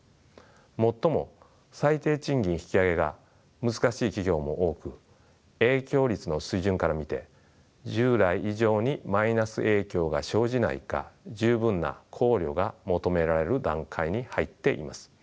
最も最低賃金引き上げが難しい企業も多く影響率の水準から見て従来以上にマイナス影響が生じないか十分な考慮が求められる段階に入っています。